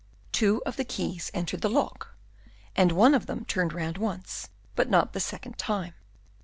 Two of the keys entered the lock, and one of them turned round once, but not the second time.